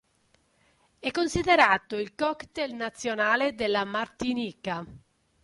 È considerato il cocktail nazionale della Martinica.